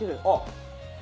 あっ！